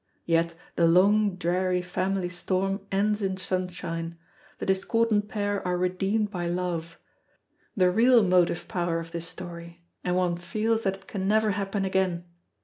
Yet the long dreary family storm ends in sunshine; the discordant pair are redeemed by Love, the real motive power of this story, and one feels that it can never happen again.